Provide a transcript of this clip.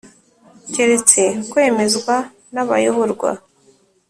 keretse kwemezwa n’abayoborwa,